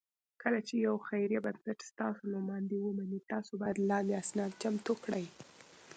کله چې یو خیري بنسټ ستاسو نوماندۍ ومني، تاسو باید لاندې اسناد چمتو کړئ: